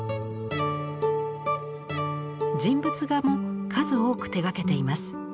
人物画も数多く手がけています。